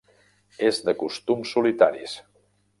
És de costums solitaris.